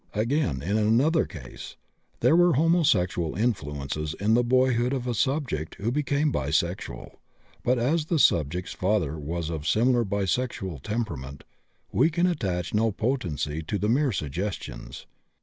Again, in another case, there were homosexual influences in the boyhood of a subject who became bisexual, but as the subject's father was of similar bisexual temperament we can attach no potency to the mere suggestions.